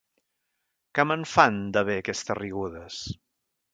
Que me'n fan, de bé, aquestes rigudes.